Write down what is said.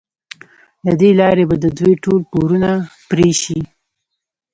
له دې لارې به د دوی ټول پورونه پرې شي.